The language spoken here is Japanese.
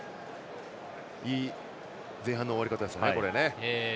いい前半の終わり方ですね。